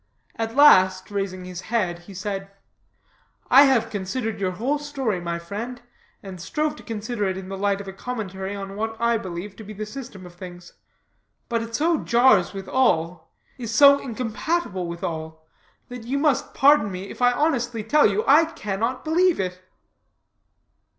At last, raising his head, he said: "I have considered your whole story, my friend, and strove to consider it in the light of a commentary on what I believe to be the system of things; but it so jars with all, is so incompatible with all, that you must pardon me, if I honestly tell you, I cannot believe it."